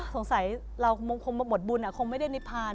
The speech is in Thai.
สงสัยเราคงหมดบุญคงไม่ได้นิพพาน